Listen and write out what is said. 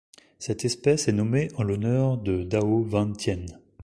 Cette espèce est nommée en l'honneur de Dao Van Tien.